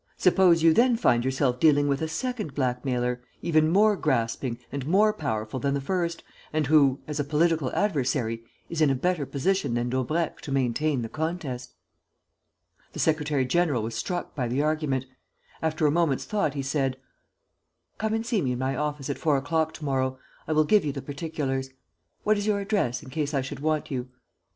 Suppose you then find yourself dealing with a second blackmailer, even more grasping and more powerful than the first and one who, as a political adversary, is in a better position than Daubrecq to maintain the contest?" The secretary general was struck by the argument. After a moment's thought, he said: "Come and see me in my office at four o'clock to morrow. I will give you the particulars. What is your address, in case I should want you?"